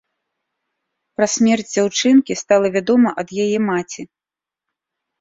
Пра смерць дзяўчынкі стала вядома ад яе маці.